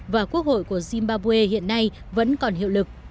và quốc hội của zimbabwe hiện nay vẫn còn hiệu lực